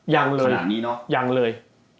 ยังเลยยังเลย